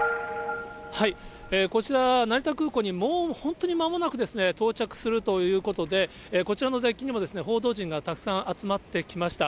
こちら、成田空港にもう、本当にまもなく到着するということで、こちらのデッキにも報道陣がたくさん集まってきました。